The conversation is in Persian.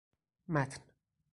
متن